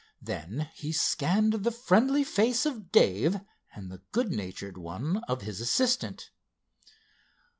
Then he scanned the friendly face of Dave, and the good natured one of his assistant.